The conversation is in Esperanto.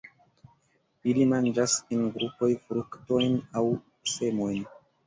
Ili manĝas en grupoj fruktojn aŭ semojn.